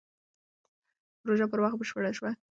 پروژه پر وخت بشپړه شوه.